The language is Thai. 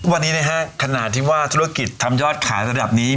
วันนี้นะฮะขณะที่ว่าธุรกิจทำยอดขายระดับนี้